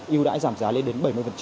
yêu đáy giảm giá lên đến bảy mươi